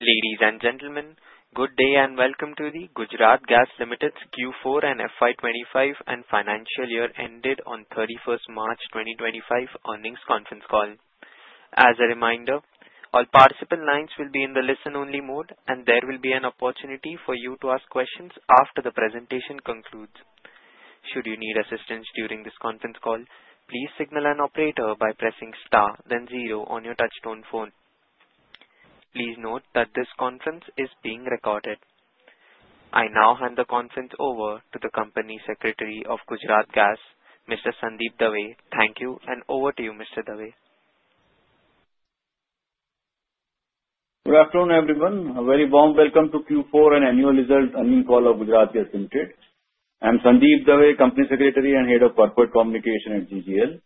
Ladies and gentlemen, good day and welcome to the Gujarat Gas Limited Q4 and FY 2025 and financial year ended on 31st March 2025 earnings conference call. As a reminder, all participant lines will be in the listen-only mode, and there will be an opportunity for you to ask questions after the presentation concludes. Should you need assistance during this conference call, please signal an operator by pressing star, then zero on your touchstone phone. Please note that this conference is being recorded. I now hand the conference over to the Company Secretary of Gujarat Gas, Mr. Sandeep Dave. Thank you, and over to you, Mr. Dave. Good afternoon, everyone. A very warm welcome to Q4 and annual result earnings call of Gujarat Gas Limited. I'm Sandeep Dave, Company Secretary and Head of Corporate Communication at GGL.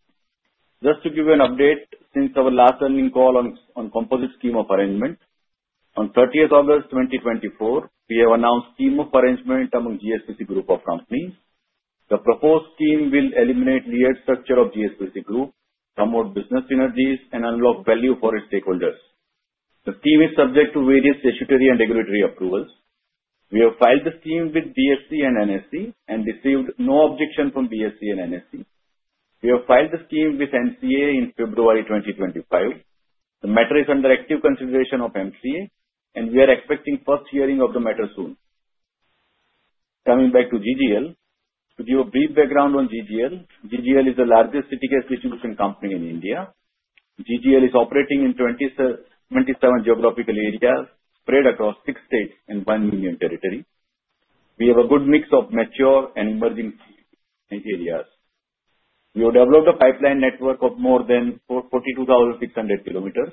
Just to give you an update, since our last earnings call on composite scheme of arrangement, on 30th August 2024, we have announced a scheme of arrangement among GSPC Group of Companies. The proposed scheme will eliminate layered structure of GSPC Group, promote business synergies, and unlock value for its stakeholders. The scheme is subject to various statutory and regulatory approvals. We have filed the scheme with BSE and NSE and received no objection from BSE and NSE. We have filed the scheme with MCA in February 2025. The matter is under active consideration of MCA, and we are expecting the first hearing of the matter soon. Coming back to GGL, to give a brief background on GGL, GGL is the largest city-based distribution company in India. GGL is operating in 27 geographical areas spread across six states and one union territory. We have a good mix of mature and emerging areas. We have developed a pipeline network of more than 42,600 km,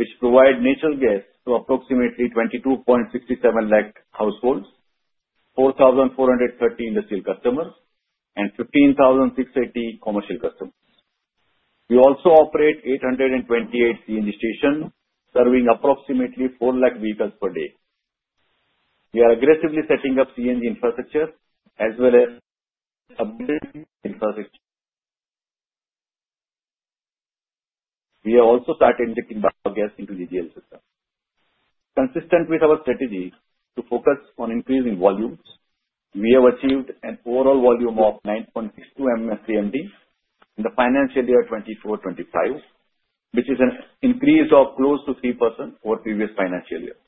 which provides natural gas to approximately 22.67 lakh households, 4,430 industrial customers, and 15,680 commercial customers. We also operate 828 CNG stations, serving approximately 4 lakh vehicles per day. We are aggressively setting up CNG infrastructure as well as building infrastructure. We have also started injecting biogas into GGL system. Consistent with our strategy to focus on increasing volumes, we have achieved an overall volume of 9.62 MMS CMD in the financial year 2024-2025, which is an increase of close to 3% over the previous financial year.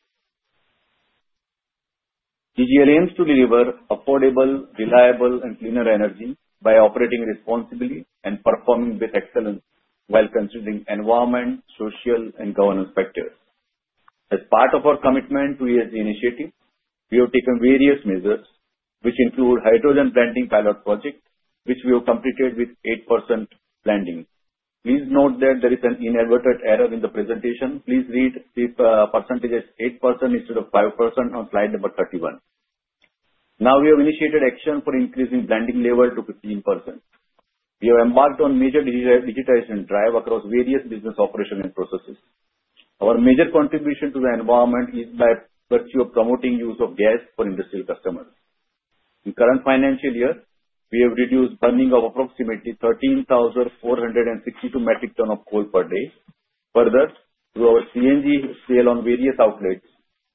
Limited aims to deliver affordable, reliable, and cleaner energy by operating responsibly and performing with excellence while considering environment, social, and governance factors. As part of our commitment to ESG initiative, we have taken various measures, which include the hydrogen blending pilot project, which we have completed with 8% blending. Please note that there is an inadvertent error in the presentation. Please read the percentage as 8% instead of 5% on slide number 31. Now, we have initiated action for increasing blending level to 15%. We have embarked on a major digitization drive across various business operations and processes. Our major contribution to the environment is by virtue of promoting the use of gas for industrial customers. In the current financial year, we have reduced burning of approximately 13,462 metric tons of coal per day. Further, through our CNG sale on various outlets,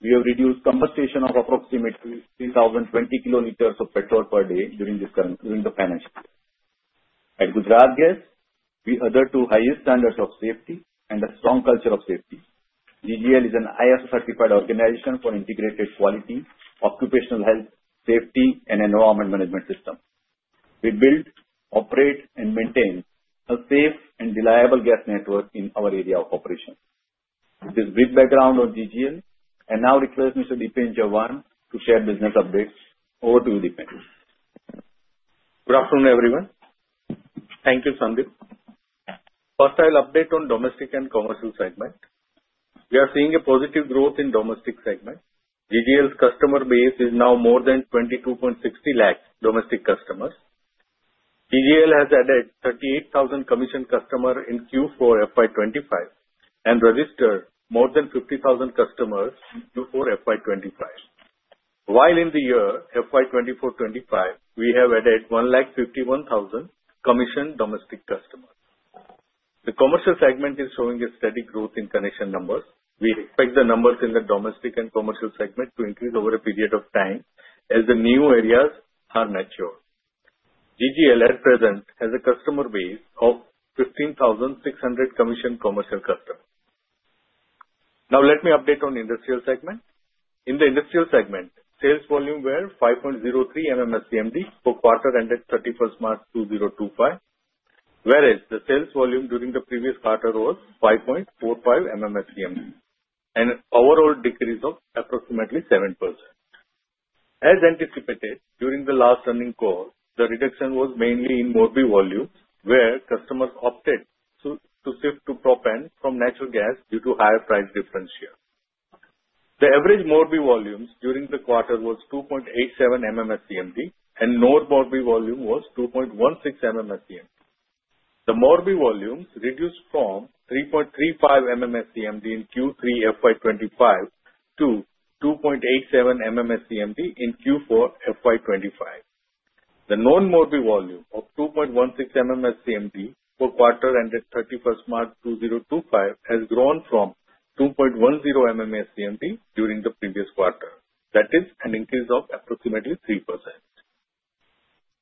we have reduced combustion of approximately 3,020 km of petrol per day during the financial year. At Gujarat Gas, we are the two highest standards of safety and a strong culture of safety. GGL is an ISO-certified organization for integrated quality, occupational health, safety, and environment management system. We build, operate, and maintain a safe and reliable gas network in our area of operation. With this brief background on GGL, I now request Mr. Dipen Chauhan to share business updates. Over to you, Dipen. Good afternoon, everyone. Thank you, Sandeep. First, I'll update on the domestic and commercial segment. We are seeing a positive growth in the domestic segment. GGL's customer base is now more than 2.26 million domestic customers. Gujarat Gas Limited has added 38,000 commissioned customers in Q4 FY 2025 and registered more than 50,000 customers in Q4 FY 2025. While in the year FY 2024-2025, we have added 151,000 commissioned domestic customers. The commercial segment is showing a steady growth in connection numbers. We expect the numbers in the domestic and commercial segment to increase over a period of time as the new areas are matured. GGL at present, has a customer base of 15,600 commissioned commercial customers. Now, let me update on the industrial segment. In the industrial segment, sales volume was 5.03 MMS CMD for the quarter ended 31st March 2025, whereas the sales volume during the previous quarter was 5.45 MMS CMD, an overall decrease of approximately 7%. As anticipated during the last earnings call, the reduction was mainly in Morbi volumes, where customers opted to shift to propane from natural gas due to higher price differential. The average Morbi volume during the quarter was 2.87 MMS CMD, and the known Morbi volume was 2.16 MMS CMD. The Morbi volume reduced from 3.35 MMS CMD in Q3 FY 2025 to 2.87 MMS CMD in Q4 FY 2025. The known Morbi volume of 2.16 MMS CMD for the quarter ended 31st March 2025 has grown from 2.10 MMS CMD during the previous quarter. That is an increase of approximately 3%.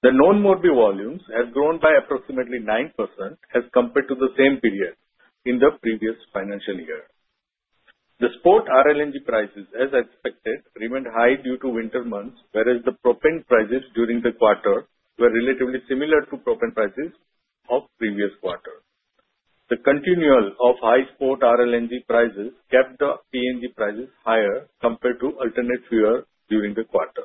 The known Morbi volume has grown by approximately 9% as compared to the same period in the previous financial year. The spot RLNG prices, as expected, remained high due to winter months, whereas the propane prices during the quarter were relatively similar to propane prices of the previous quarter. The continuation of high spot RLNG prices kept the PNG prices higher compared to alternate fuel during the quarter.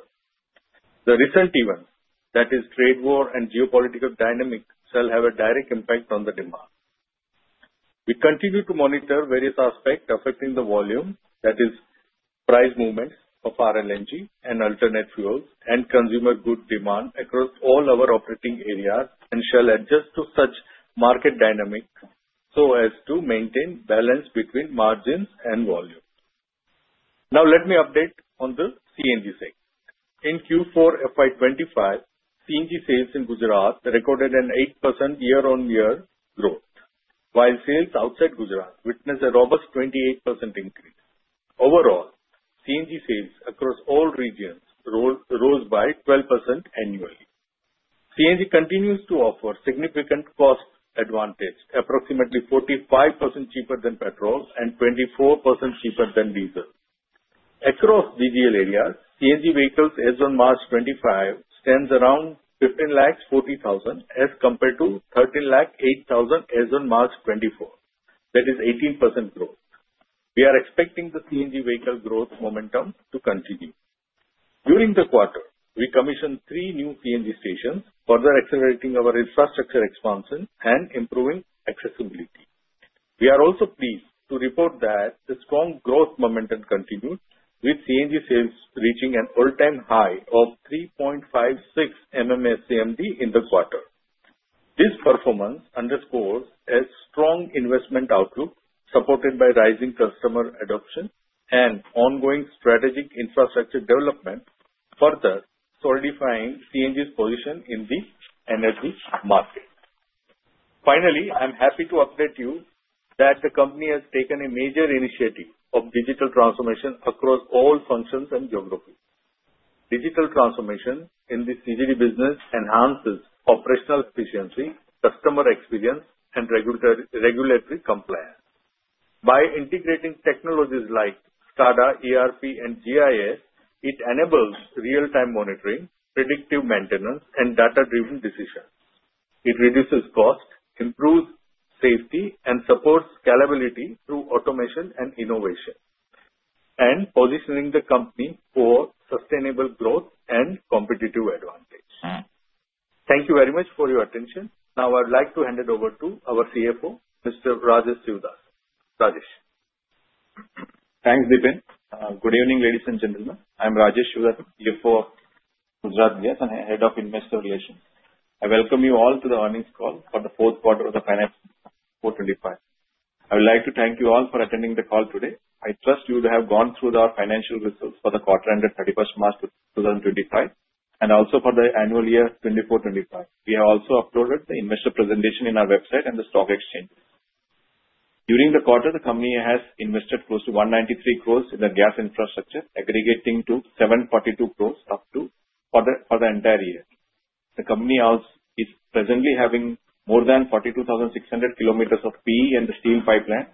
The recent events, that is, trade war and geopolitical dynamics, shall have a direct impact on the demand. We continue to monitor various aspects affecting the volume, that is, price movements of RLNG and alternate fuels and consumer goods demand across all our operating areas and shall adjust to such market dynamics so as to maintain balance between margins and volume. Now, let me update on the CNG segment. In Q4 FY 2025, CNG sales in Gujarat recorded an 8% year-on-year growth, while sales outside Gujarat witnessed a robust 28% increase. Overall, CNG sales across all regions rose by 12% annually. CNG continues to offer significant cost advantage, approximately 45% cheaper than petrol and 24% cheaper than diesel. Across GGL areas, CNG vehicles as of March 2025 stand around 15,040,000 as compared to 13,008,000 as of March 2024. That is 18% growth. We are expecting the CNG vehicle growth momentum to continue. During the quarter, we commissioned three new PNG stations, further accelerating our infrastructure expansion and improving accessibility. We are also pleased to report that the strong growth momentum continued, with CNG sales reaching an all-time high of 3.56 MMS CMD in the quarter. This performance underscores a strong investment outlook supported by rising customer adoption and ongoing strategic infrastructure development, further solidifying CNG's position in the energy market. Finally, I'm happy to update you that the company has taken a major initiative of digital transformation across all functions and geographies. Digital transformation in the CGD business enhances operational efficiency, customer experience, and regulatory compliance. By integrating technologies like SCADA, ERP, and GIS, it enables real-time monitoring, predictive maintenance, and data-driven decisions. It reduces cost, improves safety, and supports scalability through automation and innovation, positioning the company for sustainable growth and competitive advantage. Thank you very much for your attention. Now, I would like to hand it over to our CFO, Mr. Rajesh Sivadasan. Rajesh. Thanks, Dipen. Good evening, ladies and gentlemen. I'm Rajesh Sivadasan, CFO of Gujarat Gas and Head of Investor Relations. I welcome you all to the earnings call for the fourth quarter of the financial year 2024-2025. I would like to thank you all for attending the call today. I trust you would have gone through our financial results for the quarter ended 31st March 2025 and also for the annual year 2024-2025. We have also uploaded the investor presentation on our website and the stock exchange. During the quarter, the company has invested close to 193 crore in the gas infrastructure, aggregating to 742 crore for the entire year. The company is presently having more than 42,600 km of PE and the steel pipeline,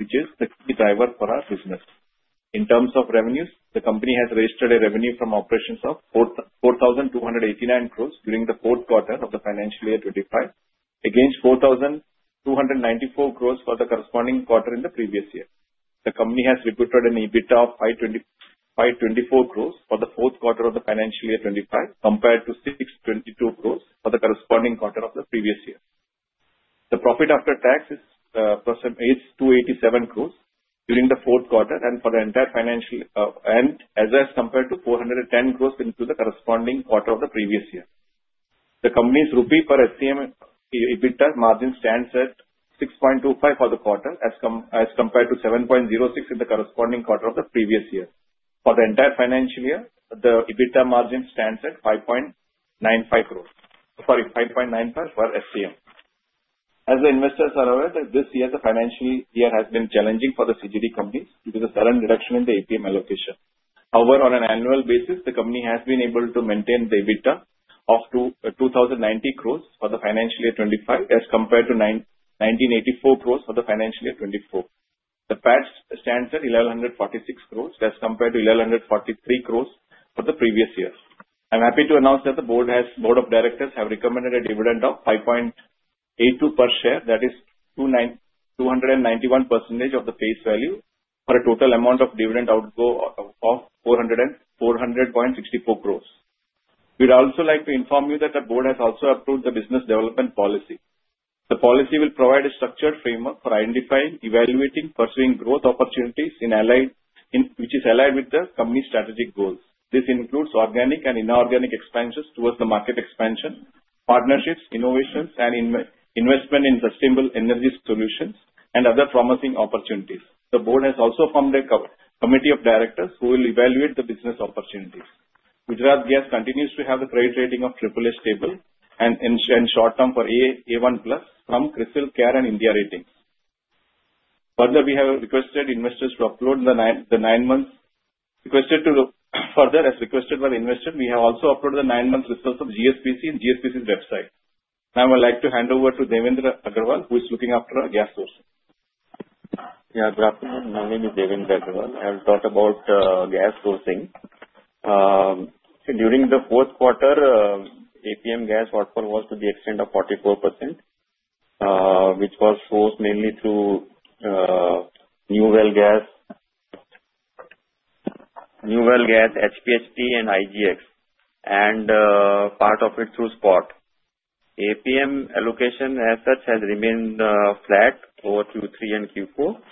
which is the key driver for our business. In terms of revenues, the company has registered a revenue from operations of 4,289 crore during the fourth quarter of the financial year 2025, against 4,294 crore for the corresponding quarter in the previous year. The company has reported an EBITDA of 524 crore for the fourth quarter of the financial year 2025 compared to 622 crore for the corresponding quarter of the previous year. The profit after tax is 287 crore during the fourth quarter and for the entire financial year, as compared to 410 crore in the corresponding quarter of the previous year. The company's rupee per SCM EBITDA margin stands at 6.25 for the quarter, as compared to 7.06 in the corresponding quarter of the previous year. For the entire financial year, the EBITDA margin stands at 5.95, sorry, 5.95 per SCM. As the investors are aware, this year, the financial year has been challenging for the CGD companies due to the sudden reduction in the APM allocation. However, on an annual basis, the company has been able to maintain the EBITDA of 2,090 crore for the financial year 2025, as compared to 1,984 crore for the financial year 2024. The PAT stands at 1,146 crore, as compared to 1,143 crore for the previous year. I'm happy to announce that the Board of Directors has recommended a dividend of 5.82 per share, that is 291% of the face value, for a total amount of dividend outgo of 400.64 crore. We'd also like to inform you that the Board has also approved the business development policy. The policy will provide a structured framework for identifying, evaluating, and pursuing growth opportunities, which is aligned with the company's strategic goals. This includes organic and inorganic expansions towards the market expansion, partnerships, innovations, and investment in sustainable energy solutions and other promising opportunities. The Board has also formed a committee of directors who will evaluate the business opportunities. Gujarat Gas continues to have the credit rating of AAA stable and short-term for A1+ from Crisil Ratings and India Ratings. Further, we have requested investors to upload the nine-month requested to further, as requested by the investor, we have also uploaded the nine-month results of GSPC on GSPC's website. Now, I would like to hand over to Devendra Agarwal, who is looking after our gas sourcing. Yeah, good afternoon. My name is Devendra Agarwal. I'll talk about gas sourcing. During the fourth quarter, APM gas output was to the extent of 44%, which was sourced mainly through New Well Gas, HPHT, and IGX, and part of it through Spot. APM allocation, as such, has remained flat over Q3 and Q4.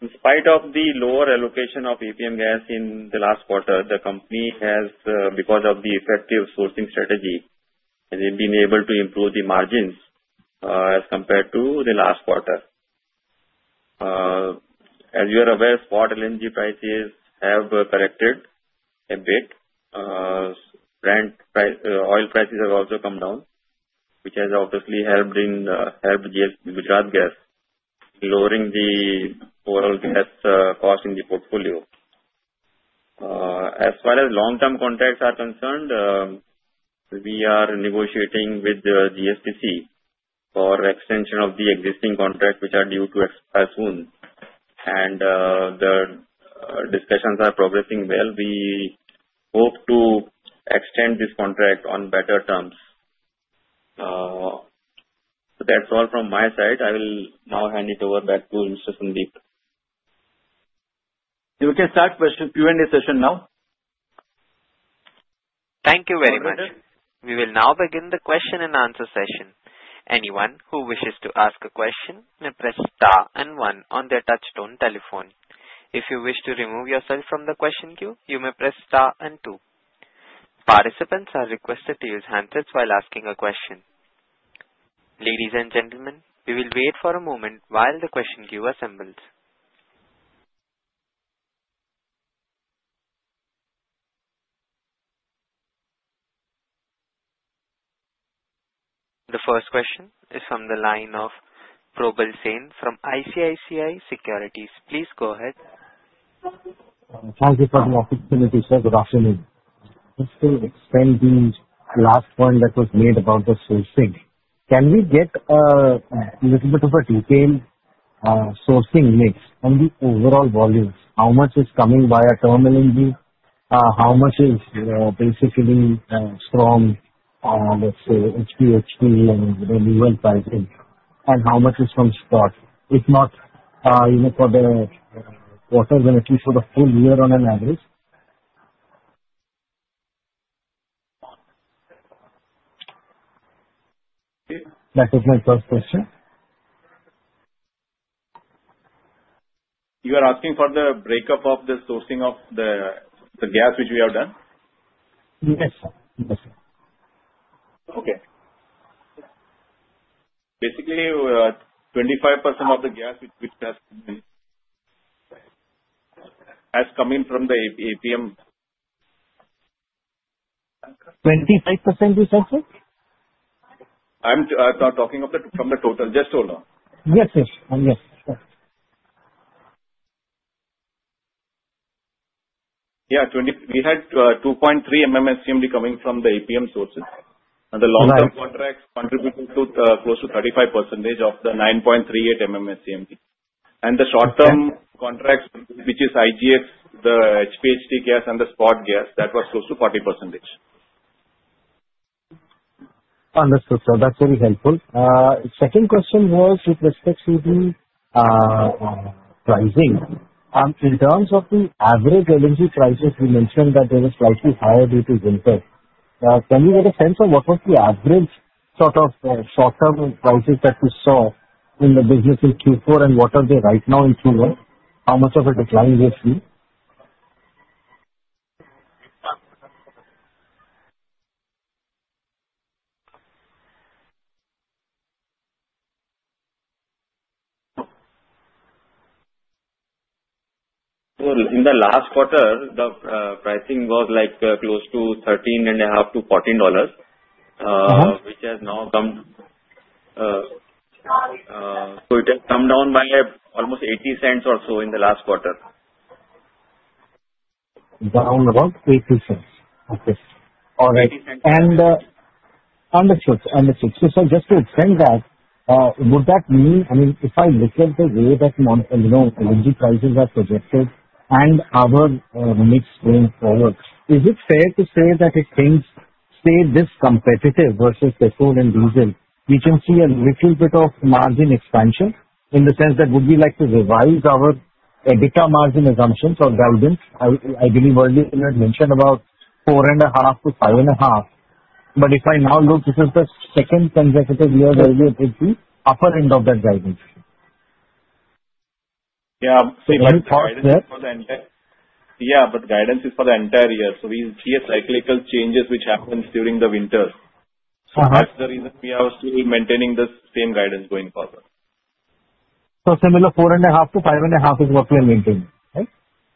In spite of the lower allocation of APM gas in the last quarter, the company has, because of the effective sourcing strategy, been able to improve the margins as compared to the last quarter. As you are aware, Spot LNG prices have corrected a bit. Oil prices have also come down, which has obviously helped Gujarat Gas, lowering the overall gas cost in the portfolio. As far as long-term contracts are concerned, we are negotiating with GSPC for extension of the existing contracts, which are due to expire soon. The discussions are progressing well. We hope to extend this contract on better terms. That's all from my side. I will now hand it over back to Mr. Sandeep. We can start Q&A session now. Thank you very much. We will now begin the question and answer session. Anyone who wishes to ask a question may press Star and one on their touchstone telephone. If you wish to remove yourself from the question queue, you may press Star and two. Participants are requested to use handsets while asking a question. Ladies and gentlemen, we will wait for a moment while the question queue assembles. The first question is from the line of Probal Sen from ICICI Securities. Please go ahead. Thank you for the opportunity, sir. Good afternoon. Just to extend the last point that was made about the sourcing, can we get a little bit of a detailed sourcing mix on the overall volumes? How much is coming via terminal energy? How much is basically from, let's say, HPHT and renewable pricing? And how much is from Spot, if not for the quarter than at least for the full year on an average? That was my first question. You are asking for the breakup of the sourcing of the gas, which we have done? Yes, sir. Okay. Basically, 25% of the gas has come in from the APM. 25%, you said, sir? I'm talking from the total. Just hold on. Yes, sir. Yes, sir. Yeah. We had 2.3 MMS CMD coming from the APM sources. The long-term contracts contributed to close to 35% of the 9.38 MMS CMD. The short-term contracts, which is IGX, the HPHT gas, and the Spot gas, that was close to 40%. Understood, sir. That's very helpful. Second question was with respect to the pricing. In terms of the average LNG prices, you mentioned that they were slightly higher due to winter. Can you get a sense of what was the average sort of short-term prices that you saw in the business in Q4 and what are they right now in Q1? How much of a decline do you see? In the last quarter, the pricing was close to $13.5-$14, which has now come down by almost $0.80 or so in the last quarter. Down about $0.80. Okay. All right. Understood. Understood. Sir, just to extend that, would that mean, I mean, if I look at the way that LNG prices are projected and our mix going forward, is it fair to say that it seems to stay this competitive versus petrol and diesel? We can see a little bit of margin expansion in the sense that would we like to revise our EBITDA margin assumptions or guidance? I believe earlier you had mentioned about 4.5-5.5. If I now look, this is the second consecutive year where we have been at the upper end of that guidance. Yeah, but guidance is for the entire year. We see cyclical changes which happen during the winter. That is the reason we are still maintaining the same guidance going forward. So similar 4.5-5.5 is what we are maintaining, right?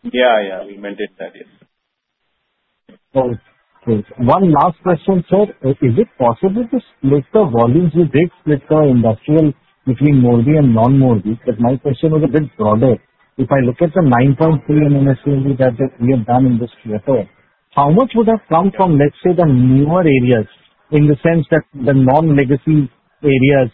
Yeah, yeah. We maintain that, yes. Okay. One last question, sir. Is it possible to split the volumes—you did split the industrial between Morbi and non-Morbi? Because my question was a bit broader. If I look at the 9.3 MMS CMD that we have done in this quarter, how much would have come from, let's say, the newer areas in the sense that the non-legacy areas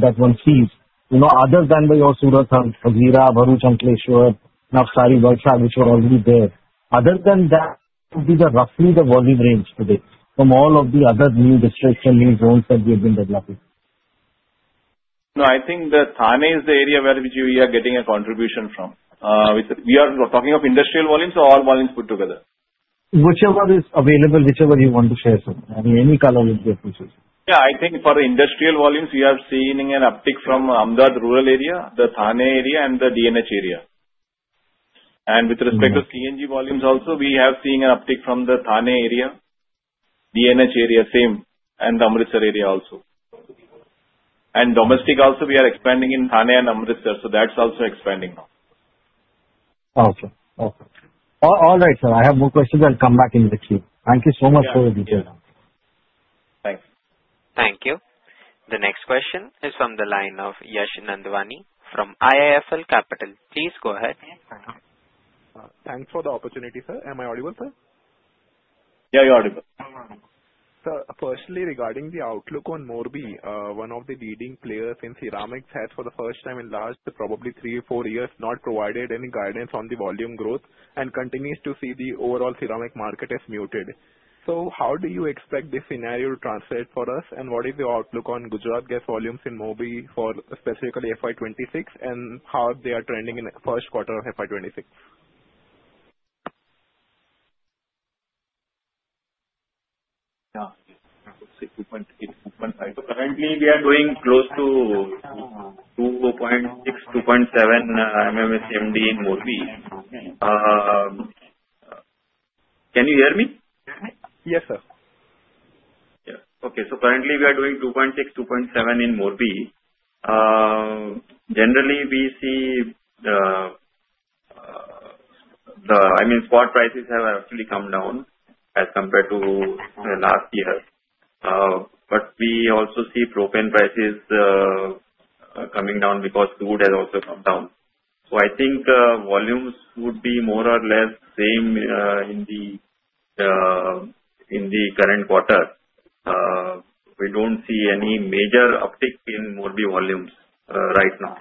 that one sees, other than your Surat, Haldi, Hazira, Bharuch, Ankleshwar, Navsari, Valsad, which were already there? Other than that, what would be roughly the volume range today from all of the other new districts and new zones that we have been developing? No, I think Thane is the area where we are getting a contribution from. We are talking of industrial volumes or all volumes put together? Whichever is available, whichever you want to share, sir. I mean, any color would be appreciated. Yeah, I think for industrial volumes, we are seeing an uptick from Amritsar rural area, the Thane area, and the Dadra and Nagar Haveli area. With respect to CNG volumes also, we are seeing an uptick from the Thane area, Dadra and Nagar Haveli area, same, and Amritsar area also. Domestic also, we are expanding in Thane and Amritsar, so that is also expanding now. Okay. Okay. All right, sir. I have more questions. I'll come back in the queue. Thank you so much for the details. Thanks. Thank you. The next question is from the line of Yash Nandwani from IIFL Capital. Please go ahead. Thanks for the opportunity, sir. Am I audible, sir? Yeah, you're audible. Sir, personally, regarding the outlook on Morbi, one of the leading players in ceramics, has for the first time in the last probably three or four years not provided any guidance on the volume growth and continues to see the overall ceramic market as muted. How do you expect this scenario to translate for us, and what is your outlook on Gujarat Gas volumes in Morbi for specifically FY 2026, and how they are trending in the first quarter of FY 2026? Yeah. Let's see. 2.8, 2.5. Currently, we are going close to 2.6, 2.7 MMS CMD in Morbi. Can you hear me? Yes, sir. Yeah. Okay. So currently, we are doing 2.6, 2.7 in Morbi. Generally, we see the, I mean, spot prices have actually come down as compared to last year. I mean, we also see propane prices coming down because crude has also come down. I think volumes would be more or less same in the current quarter. We do not see any major uptick in Morbi volumes right now.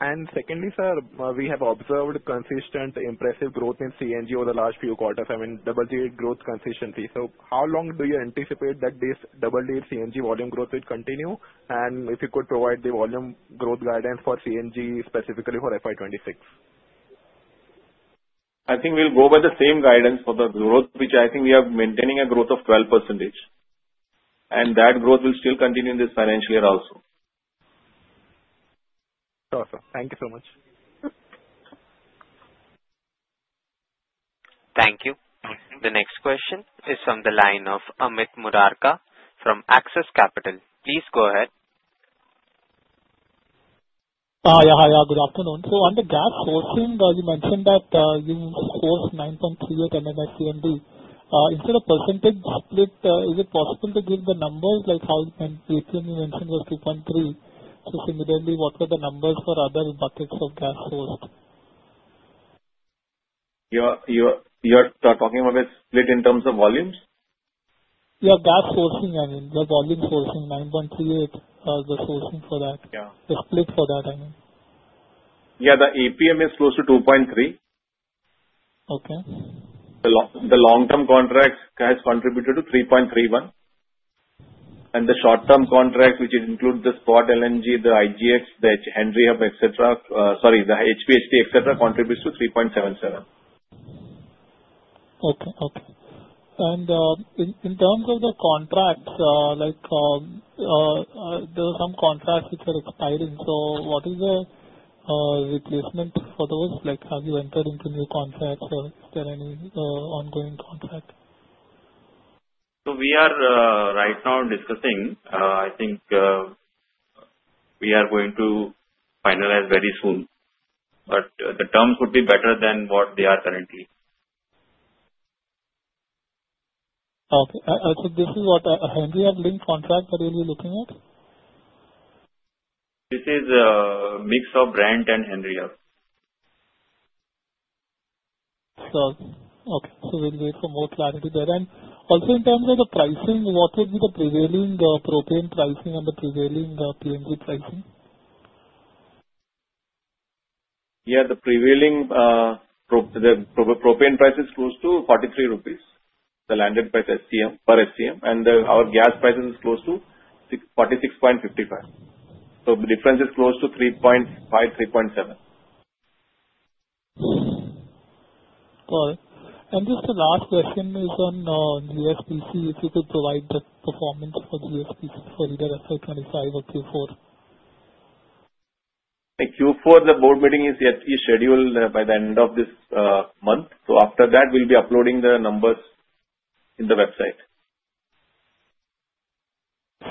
Awesome. Secondly, sir, we have observed consistent impressive growth in CNG over the last few quarters, I mean, double-digit growth consistency. How long do you anticipate that this double-digit CNG volume growth will continue, and if you could provide the volume growth guidance for CNG, specifically for FY 2026? I think we'll go by the same guidance for the growth, which I think we are maintaining a growth of 12%. That growth will still continue in this financial year also. Awesome. Thank you so much. Thank you. The next question is from the line of Amit Murarka from Axis Capital. Please go ahead. Yeah, yeah. Good afternoon. On the gas sourcing, you mentioned that you sourced 9.38 MMS CMD. Instead of percentage split, is it possible to give the numbers? Like how APM you mentioned was 2.3. Similarly, what were the numbers for other buckets of gas sourced? You're talking about split in terms of volumes? Yeah, gas sourcing, I mean. The volume sourcing, 9.38 was the sourcing for that. The split for that, I mean. Yeah, the APM is close to 2.3. The long-term contract has contributed to 3.31. The short-term contract, which includes the Spot LNG, the IGX, the Henry Hub, sorry, the HPHT, contributes to 3.77. Okay. Okay. In terms of the contracts, there are some contracts which are expiring. What is the replacement for those? Have you entered into new contracts, or is there any ongoing contract? We are right now discussing. I think we are going to finalize very soon. The terms would be better than what they are currently. Okay. So this is what Henry Hub linked contract that you'll be looking at? This is a mix of Brent and Henry Hub. Okay. We'll wait for more clarity there. Also, in terms of the pricing, what would be the prevailing propane pricing and the prevailing PNG pricing? Yeah, the prevailing propane price is close to 43 rupees, the landed price per SCM. And our gas price is close to 46.55 rupees. So the difference is close to 3.5-3.7. Got it. Just the last question is on GSPC, if you could provide the performance for GSPC for either FY25 or Q4. Q4, the board meeting is scheduled by the end of this month. After that, we'll be uploading the numbers in the website.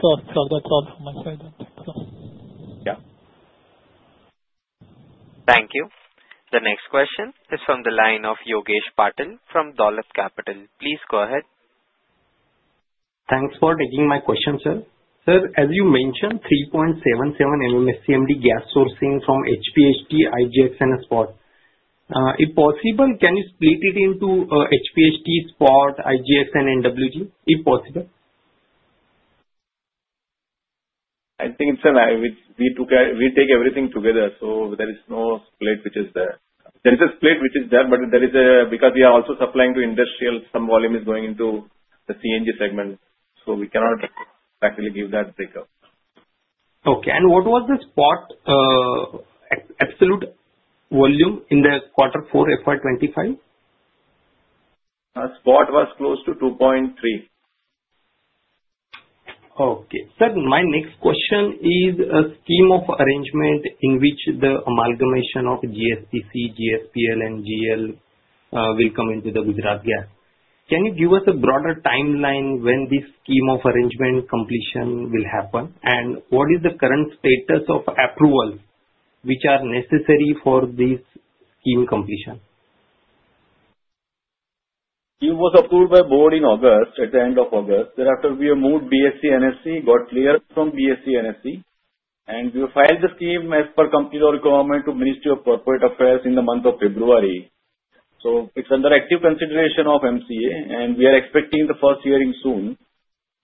Sure. Sure. That's all from my side. That's it. Yeah. Thank you. The next question is from the line of Yogesh Patil from Dollop Capital. Please go ahead. Thanks for taking my question, sir. Sir, as you mentioned, 3.77 MMS CMD gas sourcing from HPHT, IGX, and Spot. If possible, can you split it into HPHT, Spot, IGX, and NWG? If possible. I think, sir, we take everything together, so there is no split which is there. There is a split which is there, but that is because we are also supplying to industrial, some volume is going into the CNG segment. We cannot practically give that breakup. Okay. What was the Spot absolute volume in the quarter four FY 2025? Spot was close to $2.3. Okay. Sir, my next question is a scheme of arrangement in which the amalgamation of GSPC, GSPL, and GL will come into the Gujarat Gas. Can you give us a broader timeline when this scheme of arrangement completion will happen? What is the current status of approvals which are necessary for this scheme completion? Scheme was approved by board in August, at the end of August. Thereafter, we have moved BSE NSE, got cleared from BSE NSE. We will file the scheme as per complete requirement to Ministry of Corporate Affairs in the month of February. It is under active consideration of MCA, and we are expecting the first hearing soon.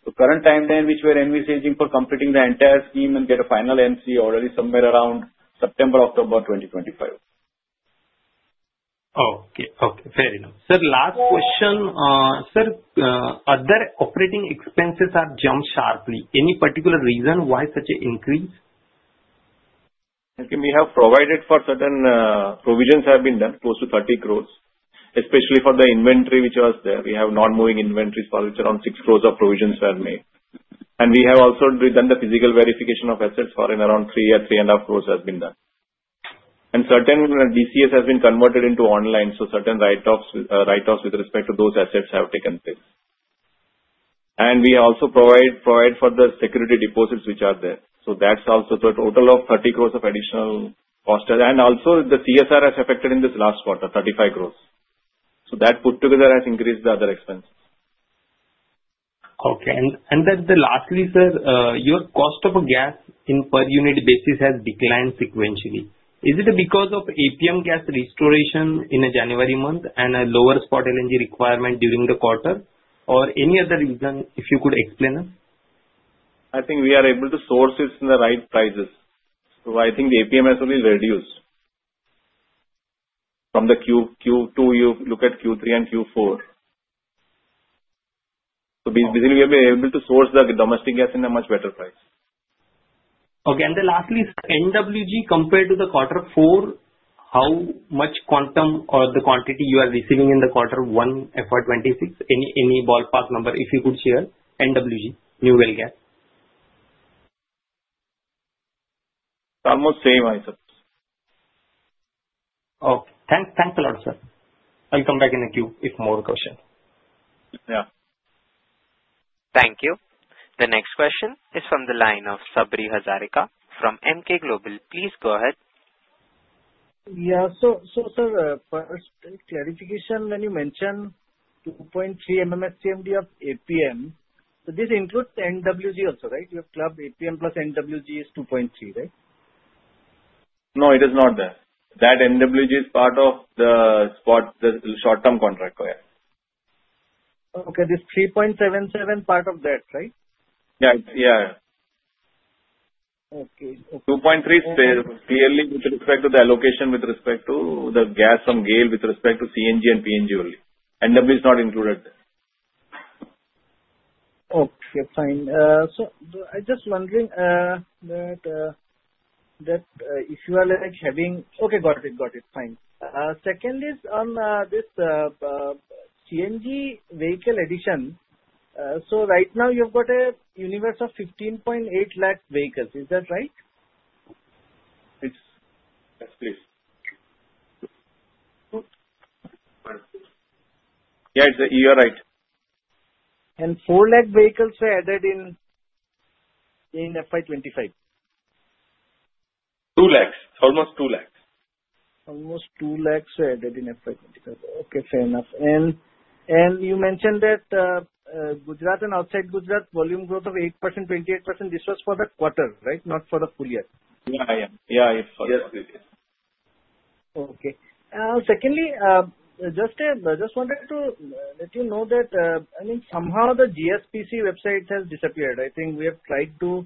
The current timeline which we are envisaging for completing the entire scheme and get a final MCA order is somewhere around September-October 2025. Okay. Okay. Fair enough. Sir, last question. Sir, other operating expenses have jumped sharply. Any particular reason why such an increase? Okay. We have provided for certain provisions have been done, close to 30 crore, especially for the inventory which was there. We have non-moving inventories for which around 6 crore of provisions were made. We have also done the physical verification of assets for around 3 or 3.5 crore has been done. Certain DCS has been converted into online, so certain write-offs with respect to those assets have taken place. We also provide for the security deposits which are there. That is also the total of 30 crore of additional cost. Also, the CSR has affected in this last quarter, 35 crore. That put together has increased the other expenses. Okay. Lastly, sir, your cost of gas on a per unit basis has declined sequentially. Is it because of APM gas restoration in January month and a lower Spot LNG requirement during the quarter, or any other reason if you could explain it? I think we are able to source it in the right prices. I think the APM has only reduced from the Q2. You look at Q3 and Q4. Basically, we have been able to source the domestic gas in a much better price. Okay. Lastly, NWG compared to the quarter four, how much quantum or the quantity you are receiving in the quarter one FY 2026? Any ballpark number if you could share? NWG, new well gas. Almost same, I suppose. Okay. Thanks. Thanks a lot, sir. I'll come back in the queue if more questions. Yeah. Thank you. The next question is from the line of Sabri Hazarika from Emkay Global. Please go ahead. Yeah. Sir, first clarification, when you mentioned 2.3 MMS CMD of APM, this includes NWG also, right? You have club APM plus NWG is 2.3, right? No, it is not there. That NWG is part of the short-term contract, yeah. Okay. This 3.77 part of that, right? Yeah. Yeah. Okay. Okay. 2.3 clearly with respect to the allocation with respect to the gas from GAIL with respect to CNG and PNG only. NWG is not included there. Okay. Fine. I am just wondering that if you are having—okay. Got it. Got it. Fine. Second is on this CNG vehicle addition. Right now, you have got a universe of 1.58 million vehicles. Is that right? Yes. Yes, please. Yeah, you are right. Four lakh vehicles were added in FY25? 2 lakhs. Almost 2 lakhs. Almost 200,000 were added in FY2025. Okay. Fair enough. You mentioned that Gujarat and outside Gujarat volume growth of 8%, 28%. This was for the quarter, right? Not for the full year. Yeah. Yeah. Yeah, for the full year. Okay. Secondly, just wanted to let you know that, I mean, somehow the GSPC website has disappeared. I think we have tried to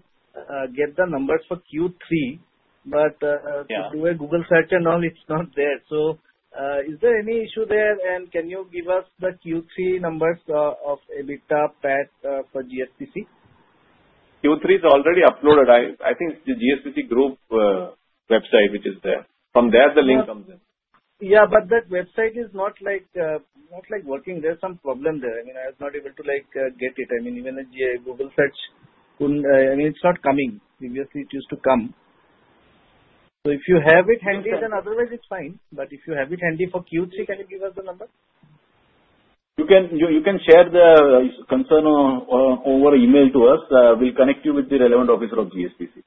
get the numbers for Q3, but we do a Google search and all, it is not there. Is there any issue there? Can you give us the Q3 numbers of EBITDA, PAT for GSPC? Q3 is already uploaded. I think it's the GSPC Group website which is there. From there, the link comes in. Yeah. That website is not working. There is some problem there. I was not able to get it. I mean, even a Google search, it is not coming. Previously, it used to come. If you have it handy, then otherwise it is fine. If you have it handy for Q3, can you give us the number? You can share the concern over email to us. We'll connect you with the relevant officer of GSPC.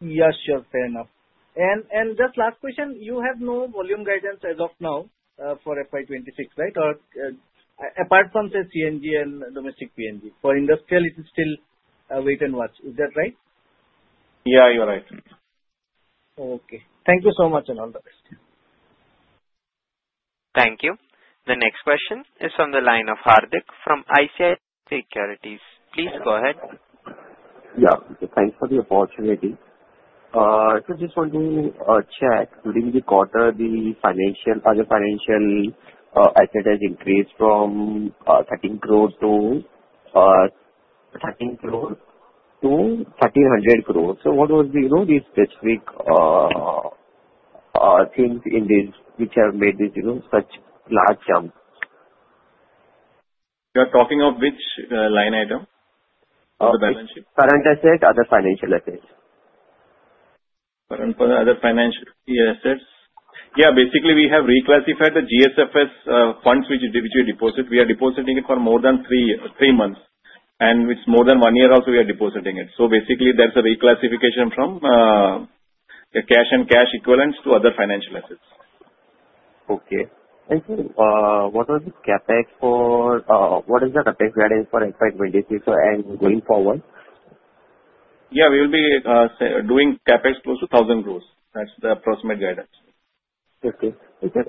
Yeah. Sure. Fair enough. Just last question, you have no volume guidance as of now for FY 2026, right? Apart from, say, CNG and domestic PNG. For industrial, it is still a wait and watch. Is that right? Yeah. You are right. Okay. Thank you so much and all the best. Thank you. The next question is from the line of Hardik from ICICI Securities. Please go ahead. Yeah. Thanks for the opportunity. I just want to check, during the quarter, the other financial asset has increased from 13 crore to 1,300 crore. What was the specific thing in this which has made this such a large jump? You are talking of which line item? The balance sheet? Current asset, other financial assets. Current other financial assets. Yeah. Basically, we have reclassified the GSFS funds which we deposit. We are depositing it for more than three months. And it's more than one year also, we are depositing it. So basically, there's a reclassification from the cash and cash equivalents to other financial assets. Okay. And sir, what was the CapEx for what is the CapEx guidance for FY 2025 and going forward? Yeah. We will be doing CapEx close to 1,000 crore. That's the approximate guidance. Okay. Okay.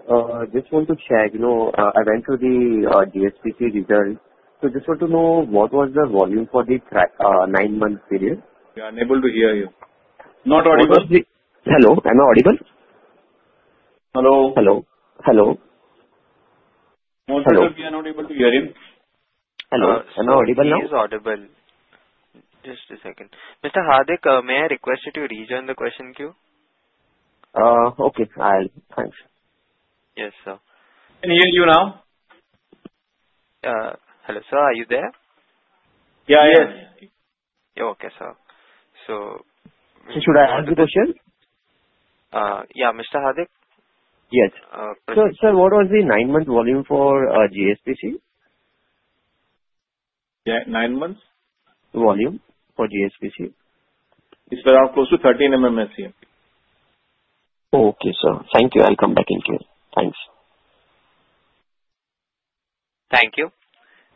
Just want to check. I went to the GSPC result. So just want to know what was the volume for the nine-month period? We are unable to hear you. Not audible. Hello? Am I audible? Hello. Hello. Hello. Hello. Hello. We are not able to hear him. Hello. Am I audible now? He is audible. Just a second. Mr. Hardik, may I request you to rejoin the question queue? Okay. Thanks. Yes, sir. Can hear you now. Hello, sir. Are you there? Yeah. I am. Okay, sir. So. Should I ask the question? Yeah. Mr. Hardik? Yes. Sir, what was the nine-month volume for GSPC? Nine months? Volume for GSPC? It's around close to 13 MMS CMD. Okay, sir. Thank you. I'll come back in queue. Thanks. Thank you.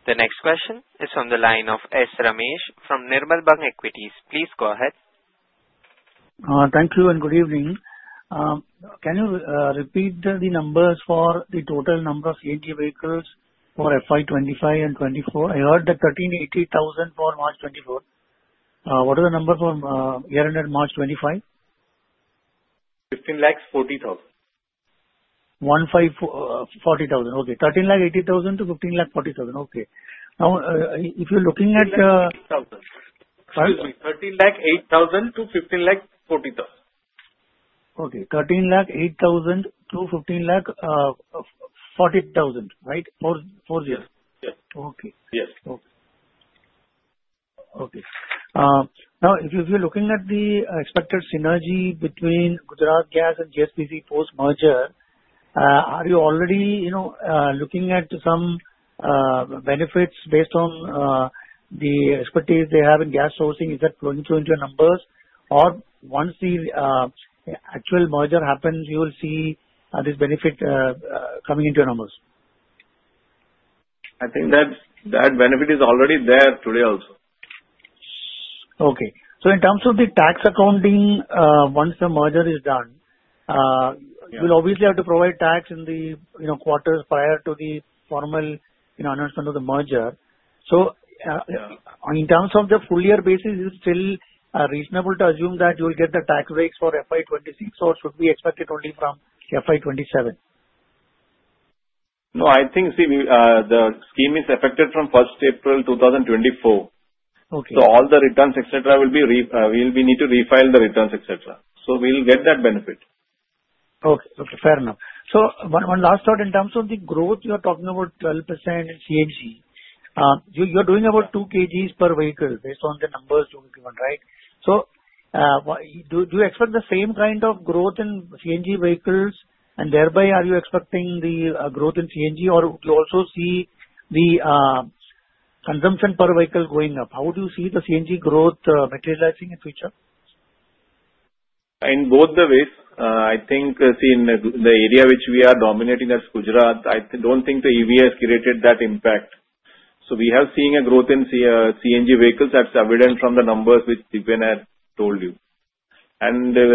The next question is from the line of S. Ramesh from Nirmal Bang Equities. Please go ahead. Thank you and good evening. Can you repeat the numbers for the total number of CNG vehicles for FY 2025 and 2024? I heard that 1,380,000 for March 2024. What are the numbers for year-end March 2025? 15,040,000. 1,540,000. Okay. 1,380,000-1,540,000. Okay. Now, if you're looking at. 13,000. Excuse me. 13,008,000-15,040,000. Okay. 13,008,000-15,040,000, right? Four zero? Yes. Yes. Okay. Yes. Okay. Okay. Now, if you're looking at the expected synergy between Gujarat Gas and GSPC post-merger, are you already looking at some benefits based on the expertise they have in gas sourcing? Is that flowing through into your numbers? Or once the actual merger happens, you will see this benefit coming into your numbers? I think that benefit is already there today also. Okay. So in terms of the tax accounting, once the merger is done, you will obviously have to provide tax in the quarters prior to the formal announcement of the merger. In terms of the full year basis, is it still reasonable to assume that you will get the tax breaks for FY 2026, or should we expect it only from FY 2027? No. I think, see, the scheme is effective from 1st April 2024. So all the returns, etc., will be, we need to refile the returns, etc. So we'll get that benefit. Okay. Okay. Fair enough. One last thought. In terms of the growth, you are talking about 12% CNG. You're doing about 2 kg per vehicle based on the numbers you've given, right? Do you expect the same kind of growth in CNG vehicles, and thereby are you expecting the growth in CNG, or would you also see the consumption per vehicle going up? How would you see the CNG growth materializing in the future? In both the ways. I think, see, in the area which we are dominating as Gujarat, I do not think the EV has created that impact. We have seen a growth in CNG vehicles. That is evident from the numbers which Dipen had told you. With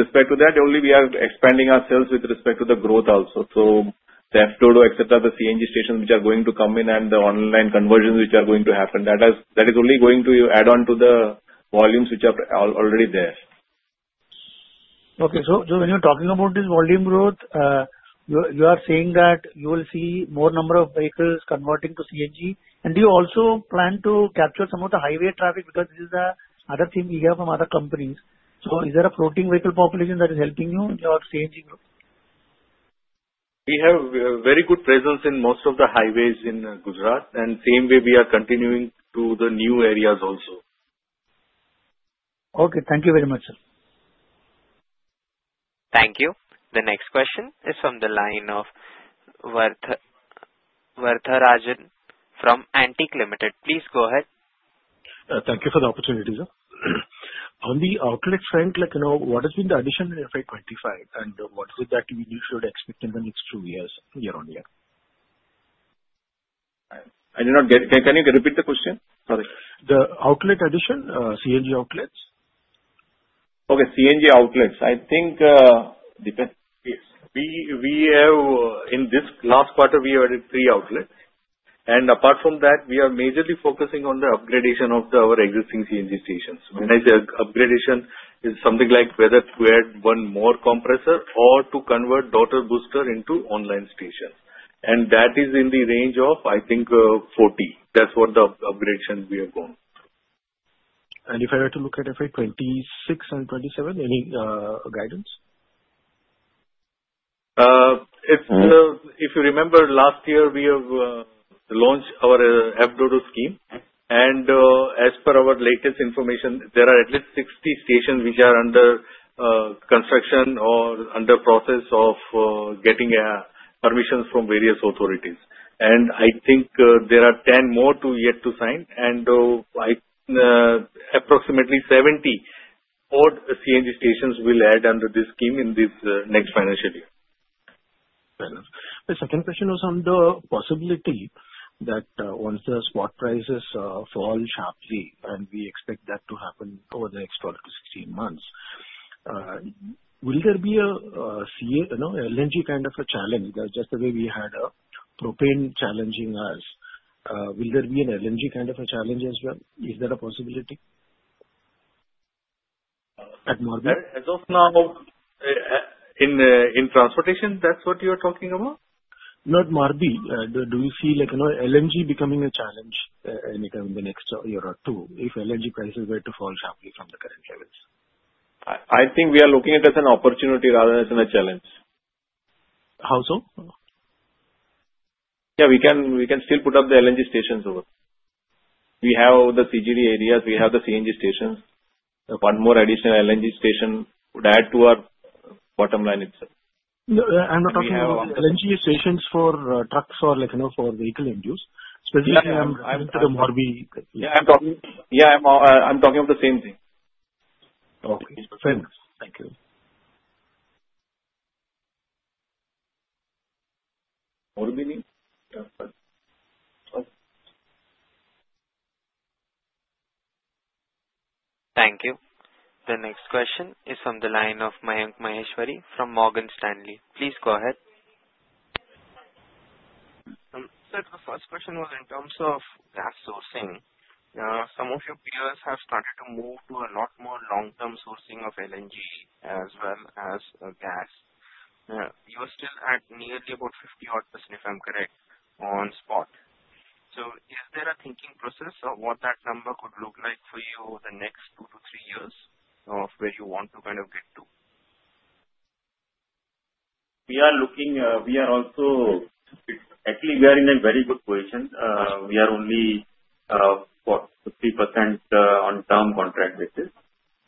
respect to that, only we are expanding ourselves with respect to the growth also. The FTODO, etc., the CNG stations which are going to come in, and the online conversions which are going to happen, that is only going to add on to the volumes which are already there. Okay. When you're talking about this volume growth, you are saying that you will see more number of vehicles converting to CNG. Do you also plan to capture some of the highway traffic because this is another theme we hear from other companies? Is there a floating vehicle population that is helping you in your CNG growth? We have a very good presence in most of the highways in Gujarat, and same way, we are continuing to the new areas also. Okay. Thank you very much, sir. Thank you. The next question is from the line of Vartharajan from Antique Limited. Please go ahead. Thank you for the opportunity, sir. On the outlet front, what has been the addition in FY25, and what is it that we should expect in the next two years, year-on-year? Can you repeat the question? Sorry. The outlet addition, CNG outlets? Okay. CNG outlets. I think we have, in this last quarter, we have added three outlets. Apart from that, we are majorly focusing on the upgradation of our existing CNG stations. When I say upgradation, it's something like whether to add one more compressor or to convert daughter booster into online stations. That is in the range of, I think, 40. That's what the upgrade we have gone through. If I were to look at FY 2026 and 2027, any guidance? If you remember, last year, we have launched our FTODO scheme. As per our latest information, there are at least 60 stations which are under construction or under process of getting permissions from various authorities. I think there are 10 more yet to sign. Approximately 70 CNG stations will add under this scheme in this next financial year. Fair enough. The second question was on the possibility that once the spot prices fall sharply, and we expect that to happen over the next 12-16 months, will there be an LNG kind of a challenge? Just the way we had propane challenging us, will there be an LNG kind of a challenge as well? Is there a possibility at Morbi? As of now, in transportation, that's what you are talking about? Not Morbi. Do you see LNG becoming a challenge in the next year or two if LNG prices were to fall sharply from the current levels? I think we are looking at it as an opportunity rather than a challenge. How so? Yeah. We can still put up the LNG stations over there. We have the CGD areas. We have the CNG stations. One more additional LNG station would add to our bottom line itself. I'm not talking about LNG stations for trucks or for vehicle end use. Specifically, I'm talking to the Morbi. Yeah. I'm talking of the same thing. Okay. Fair enough. Thank you. Thank you. Thank you. The next question is from the line of Mayank Maheshwari from Morgan Stanley. Please go ahead. Sir, the first question was in terms of gas sourcing. Some of your peers have started to move to a lot more long-term sourcing of LNG as well as gas. You are still at nearly about 50% odd, if I'm correct, on spot. Is there a thinking process of what that number could look like for you over the next two to three years of where you want to kind of get to? We are looking. We are also actually, we are in a very good position. We are only 40% on term contract basis.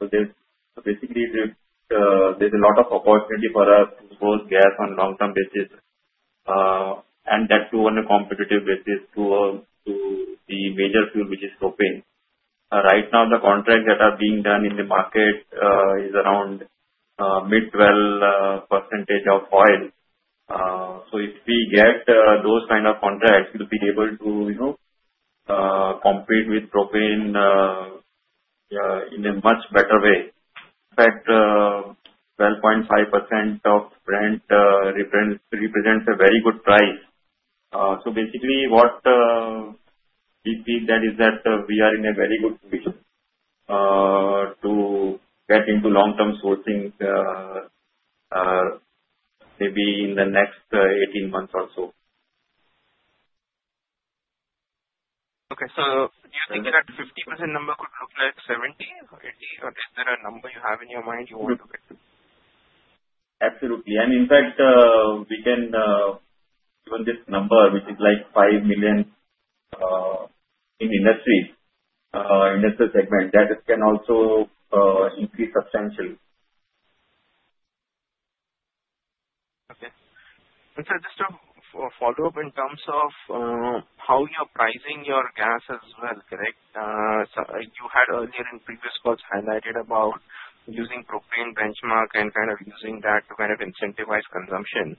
Basically, there is a lot of opportunity for us to source gas on a long-term basis and that too on a competitive basis to the major fuel which is propane. Right now, the contracts that are being done in the market is around mid-12% of oil. If we get those kind of contracts, we will be able to compete with propane in a much better way. In fact, 12.5% of Brent represents a very good price. Basically, what we think is that we are in a very good position to get into long-term sourcing maybe in the next 18 months or so. Okay. So do you think that 50% number could look like 70 or 80, or is there a number you have in your mind you want to get to? Absolutely. In fact, we can even this number, which is like 5 million in industry segment, that can also increase substantially. Okay. Sir, just a follow-up in terms of how you're pricing your gas as well, correct? You had earlier in previous calls highlighted about using propane benchmark and kind of using that to kind of incentivize consumption.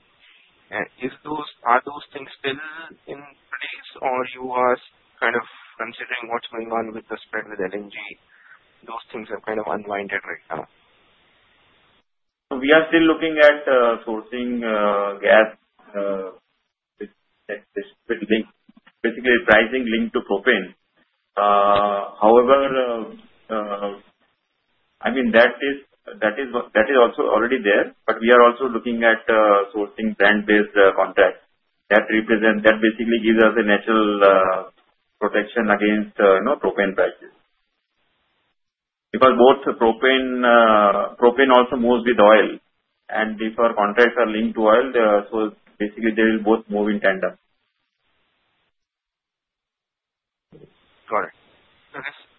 Are those things still in place, or you are kind of considering what's going on with the spread with LNG? Those things have kind of unwinded right now. We are still looking at sourcing gas with basically pricing linked to propane. However, I mean, that is also already there, but we are also looking at sourcing Brent-based contracts. That basically gives us a natural protection against propane prices because both propane also moves with oil. If our contracts are linked to oil, so basically, they will both move in tandem. Got it.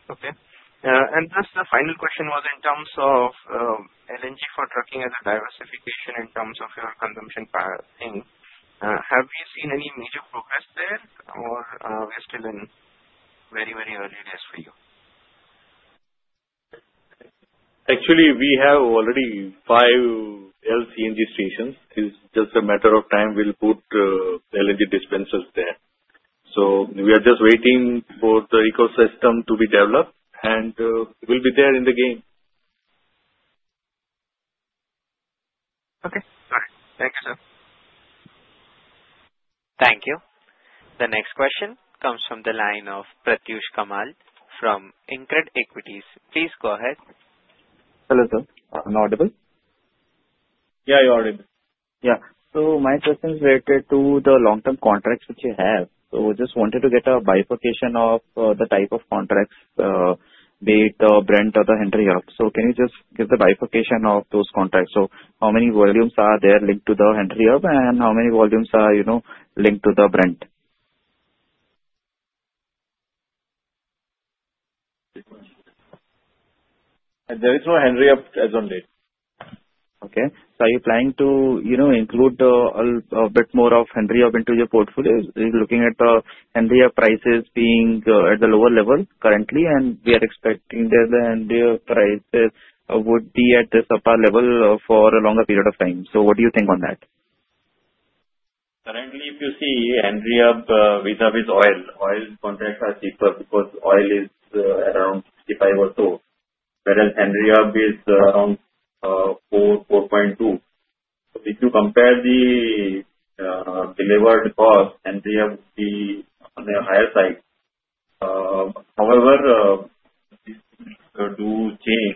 Okay. Okay. Just the final question was in terms of LNG for trucking as a diversification in terms of your consumption thing. Have we seen any major progress there, or we're still in very, very early days for you? Actually, we have already five LCNG stations. It's just a matter of time we'll put LNG dispensers there. We are just waiting for the ecosystem to be developed, and we'll be there in the game. Okay. All right. Thank you, sir. Thank you. The next question comes from the line of Pratyush Kamal from Incred Equities. Please go ahead. Hello, sir. Am I audible? Yeah, you're audible. Yeah. My question is related to the long-term contracts which you have. We just wanted to get a bifurcation of the type of contracts, be it the Brent or the Henry Europe. Can you just give the bifurcation of those contracts? How many volumes are there linked to the Henry Europe, and how many volumes are linked to the Brent? There is no Henry Europe as of late. Okay. Are you planning to include a bit more of Henry Europe into your portfolio? Looking at the Henry Europe prices being at the lower level currently, and we are expecting that the Henry Europe prices would be at the supper level for a longer period of time. What do you think on that? Currently, if you see Henry Europe vis-à-vis oil, oil contracts are cheaper because oil is around $65 or so, whereas Henry Europe is around $4-$4.2. If you compare the delivered cost, Henry Europe would be on the higher side. However, these things do change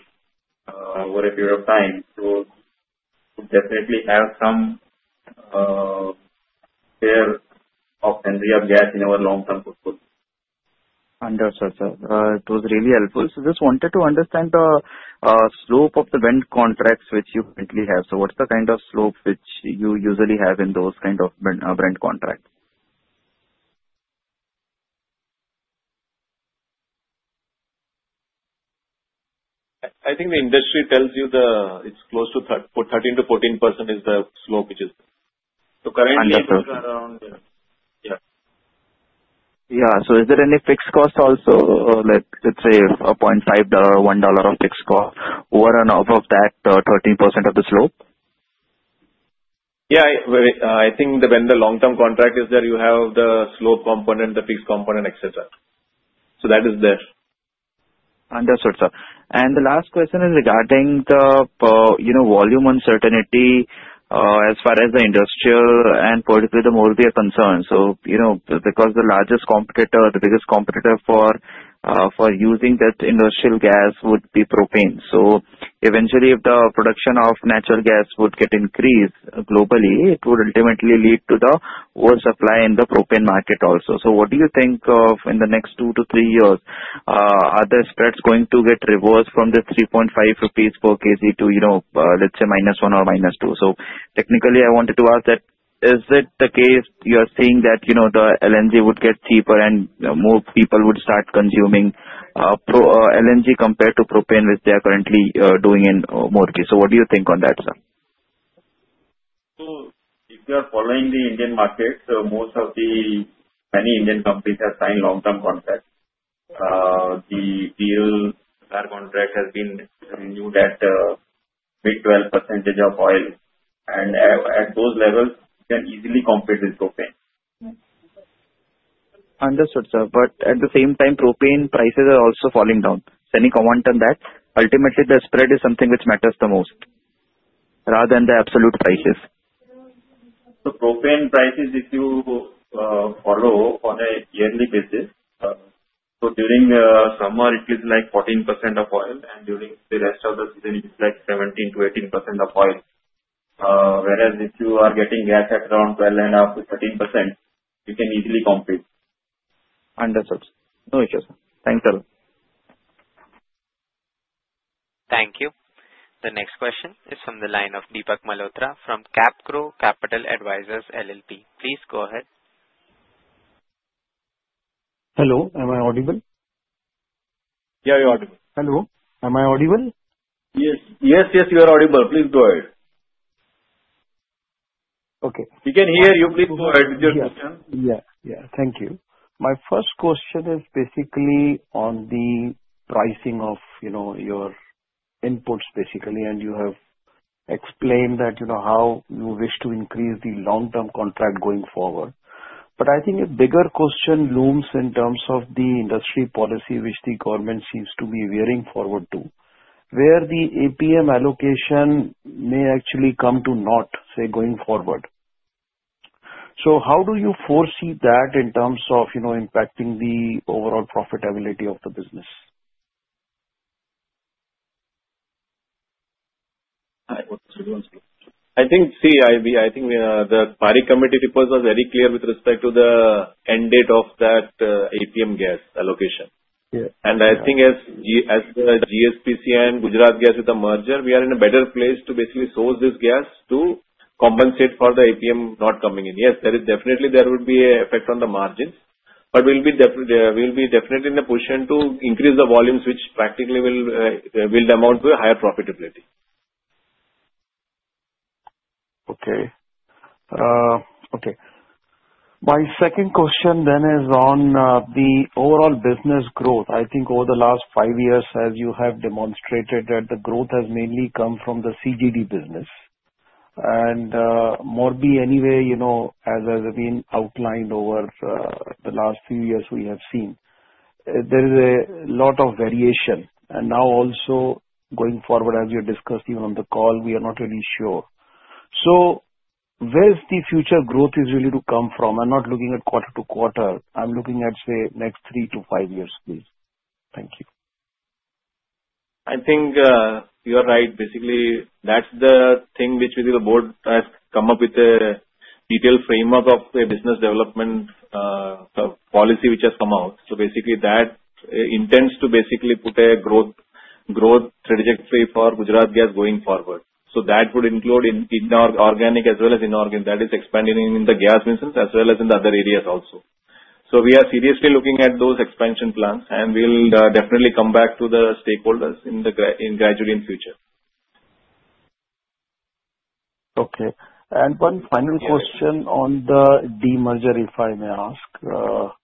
over a period of time. We definitely have some share of Henry Europe gas in our long-term portfolio. Understood, sir. It was really helpful. Just wanted to understand the slope of the Brent contracts which you currently have. What is the kind of slope which you usually have in those kind of Brent contracts? I think the industry tells you it's close to 13%-14% is the slope which is. Currently, it's around. Understood. Yeah. Yeah. Is there any fixed cost also, let's say, $1.5 or $1 of fixed cost over and above that 13% of the slope? Yeah. I think when the long-term contract is there, you have the slope component, the fixed component, etc. So that is there. Understood, sir. The last question is regarding the volume uncertainty as far as the industrial and, politically, the more we are concerned. Because the largest competitor, the biggest competitor for using that industrial gas would be propane. Eventually, if the production of natural gas would get increased globally, it would ultimately lead to the worse supply in the propane market also. What do you think in the next two to three years, are the spreads going to get reversed from the 3.5 rupees per kg to, let's say, -1 or-2? Technically, I wanted to ask, is it the case you are seeing that the LNG would get cheaper and more people would start consuming LNG compared to propane, which they are currently doing in Morbi? What do you think on that, sir? If you are following the Indian market, most of the many Indian companies have signed long-term contracts. The oil contract has been renewed at mid-12% of oil. At those levels, you can easily compete with propane. Understood, sir. At the same time, propane prices are also falling down. Any comment on that? Ultimately, the spread is something which matters the most rather than the absolute prices. Propane prices, if you follow on a yearly basis, during summer, it is like 14% of oil, and during the rest of the season, it is like 17% -18% of oil. Whereas if you are getting gas at around 12% and up to 13%, you can easily compete. Understood. No issues, sir. Thank you, sir. Thank you. The next question is from the line of Deepak Malhotra from CapGrow Capital Advisors LLP. Please go ahead. Hello. Am I audible? Yeah, you're audible. Hello. Am I audible? Yes. Yes, you are audible. Please go ahead. Okay. We can hear you. Please go ahead. Yeah. Yeah. Thank you. My first question is basically on the pricing of your inputs, basically. You have explained that how you wish to increase the long-term contract going forward. I think a bigger question looms in terms of the industry policy which the government seems to be veering forward to, where the APM allocation may actually come to not, say, going forward. How do you foresee that in terms of impacting the overall profitability of the business? I think, see, I think the Pari Committee people were very clear with respect to the end date of that APM gas allocation. I think as the GSPC and Gujarat Gas is a merger, we are in a better place to basically source this gas to compensate for the APM not coming in. Yes, there is definitely there would be an effect on the margins, but we'll be definitely in a position to increase the volumes, which practically will amount to a higher profitability. Okay. Okay. My second question then is on the overall business growth. I think over the last five years, as you have demonstrated, that the growth has mainly come from the CGD business. And Morbi, anyway, as has been outlined over the last few years, we have seen there is a lot of variation. Now also, going forward, as you discussed even on the call, we are not really sure. Where is the future growth really to come from? I'm not looking at quarter to quarter. I'm looking at, say, next three to five years, please. Thank you. I think you are right. Basically, that's the thing which the board has come up with a detailed framework of a business development policy which has come out. Basically, that intends to basically put a growth trajectory for Gujarat Gas going forward. That would include inorganic as well as inorganic. That is expanding in the gas business as well as in the other areas also. We are seriously looking at those expansion plans, and we'll definitely come back to the stakeholders in the graduating future. Okay. One final question on the demerger, if I may ask.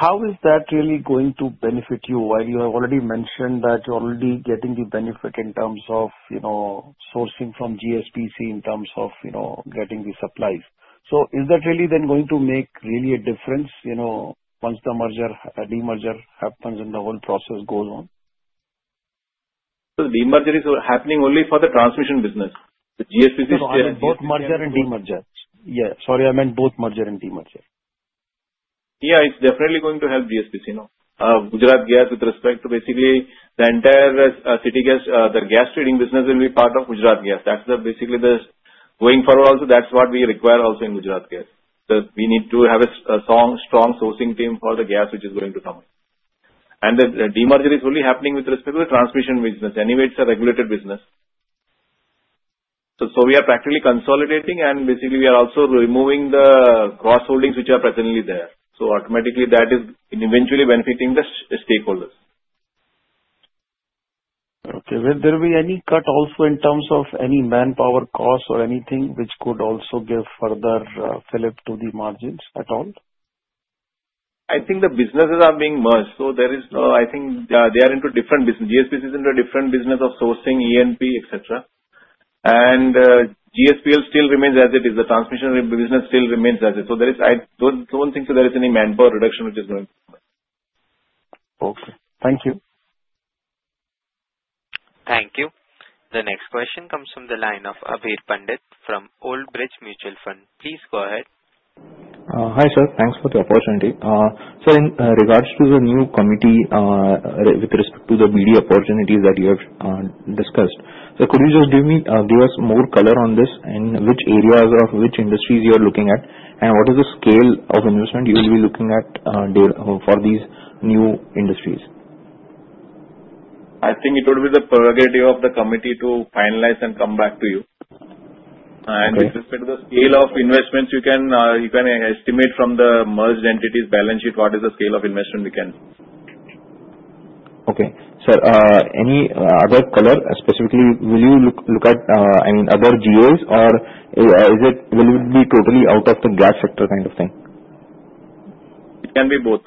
How is that really going to benefit you while you have already mentioned that you're already getting the benefit in terms of sourcing from GSPC in terms of getting the supplies? Is that really then going to make really a difference once the demerger happens and the whole process goes on? Demerger is happening only for the transmission business. The GSPC is still. Oh, I meant both merger and demerger. Yeah. Sorry, I meant both merger and demerger. Yeah. It's definitely going to help GSPC. Gujarat Gas with respect to basically the entire city gas, the gas trading business will be part of Gujarat Gas. That's basically the going forward. Also, that's what we require also in Gujarat Gas. We need to have a strong sourcing team for the gas which is going to come. The demerger is only happening with respect to the transmission business. Anyway, it's a regulated business. We are practically consolidating, and basically, we are also removing the cross-holdings which are presently there. Automatically, that is eventually benefiting the stakeholders. Okay. Will there be any cut also in terms of any manpower cost or anything which could also give further flip to the margins at all? I think the businesses are being merged. There is no, I think they are into different business. GSPC is into a different business of sourcing E&P, etc. GSPL still remains as it is. The transmission business still remains as it is. I do not think there is any manpower reduction which is going to come. Okay. Thank you. Thank you. The next question comes from the line of Abhir Pandit from Old Bridge Mutual Fund. Please go ahead. Hi, sir. Thanks for the opportunity. Sir, in regards to the new committee with respect to the BD opportunities that you have discussed, sir, could you just give us more color on this and which areas of which industries you are looking at, and what is the scale of investment you will be looking at for these new industries? I think it would be the prerogative of the committee to finalize and come back to you. With respect to the scale of investments, you can estimate from the merged entities' balance sheet what is the scale of investment we can. Okay. Sir, any other color? Specifically, will you look at, I mean, other GAs, or will it be totally out of the gas sector kind of thing? It can be both.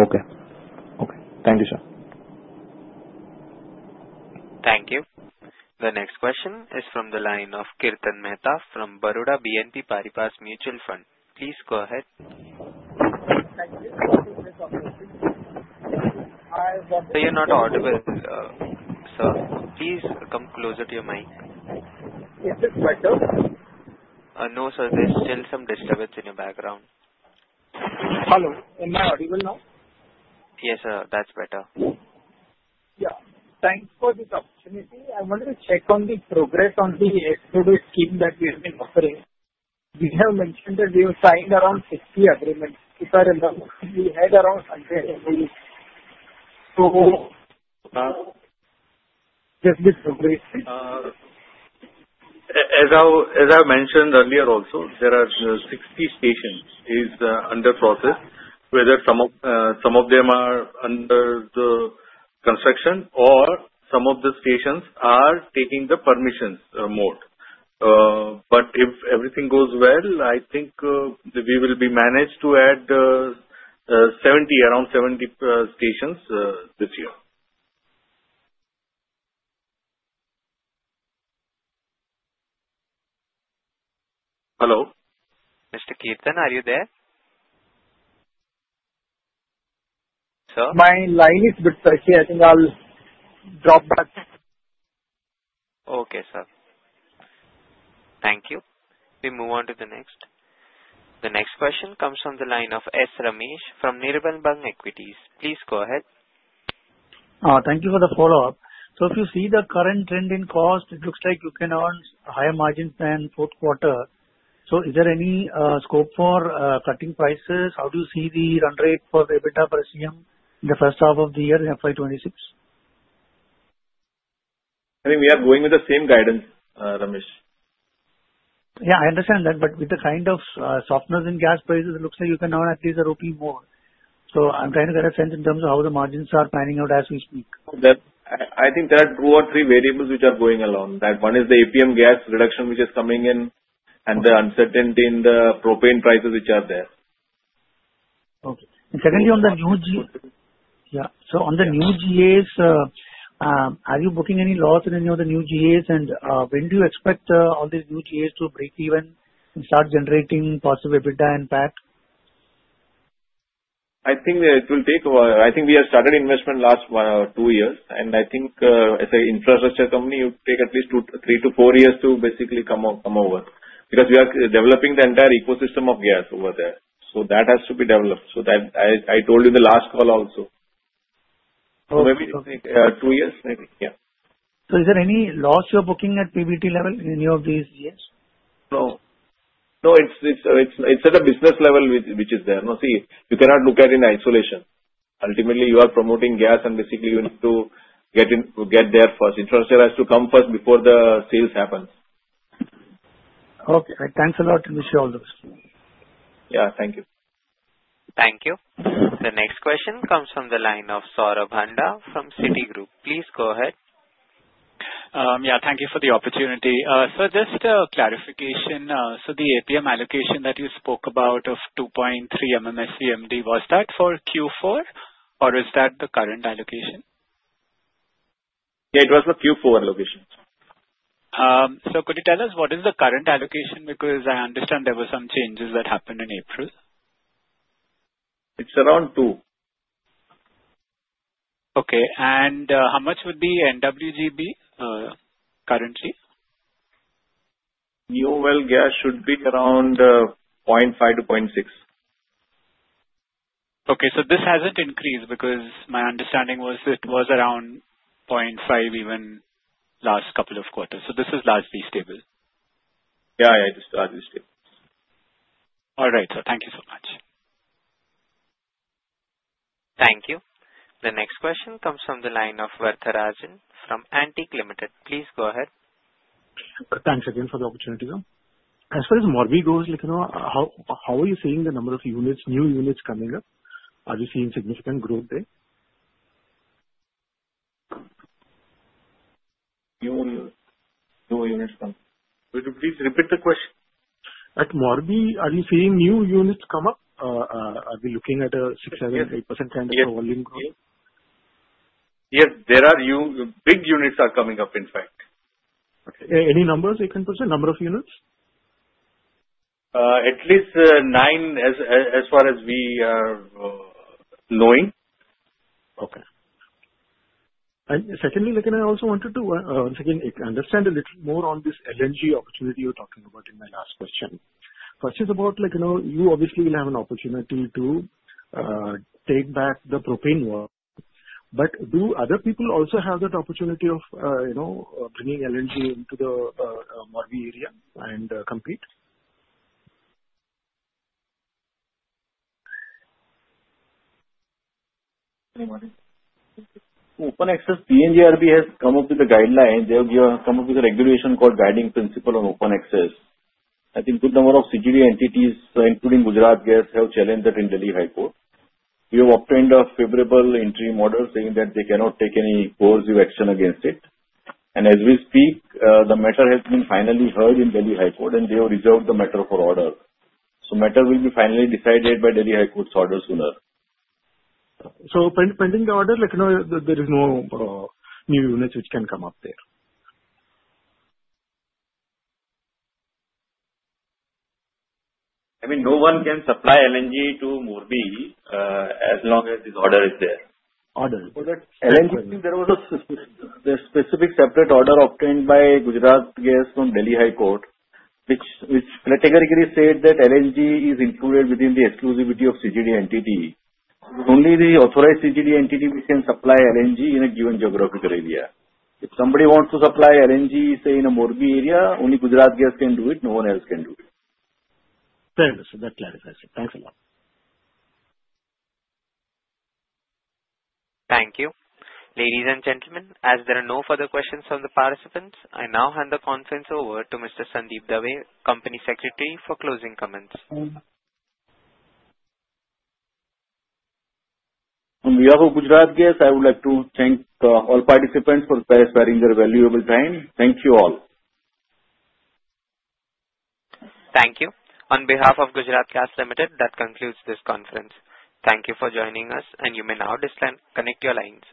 Okay. Okay. Thank you, sir. Thank you. The next question is from the line of Kirtan Mehta from Baroda BNP Paribas Mutual Fund. Please go ahead. You are not audible, sir. Please come closer to your mic. Is this better? No, sir. There's still some disturbance in your background. Hello. Am I audible now? Yes, sir. That's better. Yeah. Thanks for this opportunity. I wanted to check on the progress on the extradition scheme that we have been offering. We have mentioned that we have signed around 50 agreements. If I remember, we had around 100 agreements. Just this progression. As I mentioned earlier also, there are 60 stations under process, whether some of them are under the construction or some of the stations are taking the permissions mode. If everything goes well, I think we will be managed to add around 70 stations this year. Hello? Mr. Kirtan, are you there? Sir? My line is a bit tricky. I think I'll drop back. Okay, sir. Thank you. We move on to the next. The next question comes from the line of S. Ramesh from Nirmal Bang Equities. Please go ahead. Thank you for the follow-up. If you see the current trend in cost, it looks like you can earn a higher margin than fourth quarter. Is there any scope for cutting prices? How do you see the run rate for EBITDA per SCM in the first half of the year in FY 2026? I think we are going with the same guidance, Ramesh. Yeah, I understand that. With the kind of softness in gas prices, it looks like you can earn at least INR 1 more. I am trying to get a sense in terms of how the margins are panning out as we speak. I think there are two or three variables which are going along. One is the APM gas reduction which is coming in and the uncertainty in the propane prices which are there. Okay. Secondly, on the new GAs, are you booking any loss in any of the new GAs, and when do you expect all these new GAs to break even and start generating positive EBITDA and PAT? I think it will take a while. I think we have started investment last two years. I think, as an infrastructure company, it would take at least three to four years to basically come over because we are developing the entire ecosystem of gas over there. That has to be developed. I told you in the last call also. Maybe two years, maybe. Yeah. Is there any loss you are booking at PBT level in any of these years? No. No. It's at a business level which is there. See, you cannot look at it in isolation. Ultimately, you are promoting gas, and basically, you need to get there first. Infrastructure has to come first before the sales happen. Okay. Thanks a lot. I wish you all the best. Yeah. Thank you. Thank you. The next question comes from the line of Saurabh Handa from Citigroup. Please go ahead. Yeah. Thank you for the opportunity. Sir, just a clarification. So the APM allocation that you spoke about of 2.3 MMS CMD, was that for Q4, or is that the current allocation? Yeah, it was for Q4 allocation. Could you tell us what is the current allocation? Because I understand there were some changes that happened in April. It's around two. Okay. How much would the NWG be currently? New well gas should be around 0.5-0.6. Okay. So this hasn't increased because my understanding was it was around 0.5 even last couple of quarters. So this is largely stable. Yeah. Yeah. It is largely stable. All right. Sir, thank you so much. Thank you. The next question comes from the line of Vartharajan from Antique Limited. Please go ahead. Thanks again for the opportunity. As far as Morbi goes, how are you seeing the number of new units coming up? Are you seeing significant growth there? New units coming. Will you please repeat the question? At Morbi, are you seeing new units come up? Are we looking at a 6%-8% kind of volume growth? Yes. There are big units coming up, in fact. Okay. Any numbers you can provide? Number of units? At least nine as far as we are knowing. Okay. Secondly, I also wanted to, once again, understand a little more on this LNG opportunity you were talking about in my last question. First is about you obviously will have an opportunity to take back the propane work. Do other people also have that opportunity of bringing LNG into the Morbi area and compete? Open Access PNGRB has come up with a guideline. They have come up with a regulation called Guiding Principle on Open Access. I think a good number of CGD entities, including Gujarat Gas, have challenged that in Delhi High Court. We have obtained a favorable entry model, saying that they cannot take any coercive action against it. As we speak, the matter has been finally heard in Delhi High Court, and they have reserved the matter for order. The matter will be finally decided by Delhi High Court's order sooner. Pending the order, there is no new units which can come up there? I mean, no one can supply LNG to Morbi as long as this order is there. Order? LNG, there was a specific separate order obtained by Gujarat Gas from Delhi High Court, which categorically stated that LNG is included within the exclusivity of CGD entity. Only the authorized CGD entity can supply LNG in a given geographical area. If somebody wants to supply LNG, say, in a Morbi area, only Gujarat Gas can do it. No one else can do it. Very good, sir. That clarifies it. Thanks a lot. Thank you. Ladies and gentlemen, as there are no further questions from the participants, I now hand the conference over to Mr. Sandeep Dave, Company Secretary, for closing comments. On behalf of Gujarat Gas, I would like to thank all participants for sparing their valuable time. Thank you all. Thank you. On behalf of Gujarat Gas Limited, that concludes this conference. Thank you for joining us, and you may now disconnect your lines.